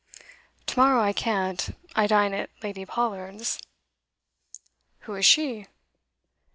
'To morrow I can't. I dine at Lady Pollard's.' 'Who is she?